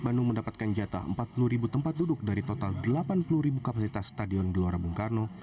bandung mendapatkan jatah empat puluh ribu tempat duduk dari total delapan puluh ribu kapasitas stadion gelora bung karno